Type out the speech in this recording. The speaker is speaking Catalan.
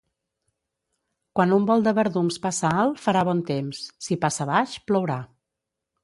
Quan un vol de verdums passa alt, farà bon temps. Si passa baix, plourà.